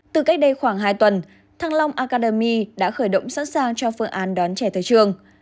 từ cách đây khoảng hai tuần thăng long academy đã khởi động sẵn sàng cho phương án đón trẻ tới trường